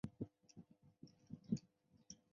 政治的程序也是竞争性的。